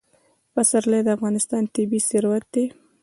پسرلی د افغانستان طبعي ثروت دی.